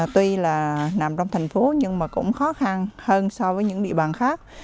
tuy là nằm trong thành phố nhưng mà cũng khó khăn hơn so với những địa bàn khác